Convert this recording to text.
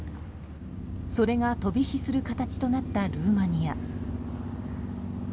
それが飛び火する形となったルーマニア。